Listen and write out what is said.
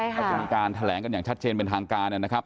ก็จะมีการแถลงกันอย่างชัดเจนเป็นทางการนะครับ